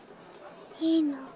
いいの？